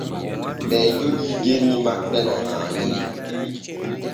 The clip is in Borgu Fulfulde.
Ɓee jogii genni maɓɓe no haaniri.